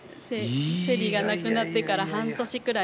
セリが亡くなってから半年くらい。